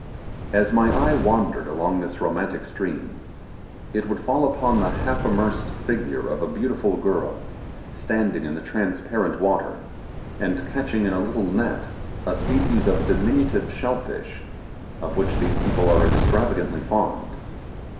As my eye wandered along this romantic stream, it would fall upon the half immersed figure of a beautiful girl, standing in the transparent water, and catching in a little net a species of diminutive shell fish, of which these people are extraordinarily fond.